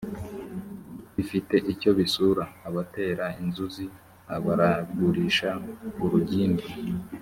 bifite icyo bisura abatera inzuzi abaragurisha urugimbu